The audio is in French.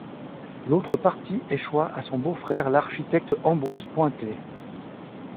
L'autre partie échoit à son beau-frère l'architecte Ambrose Poynter.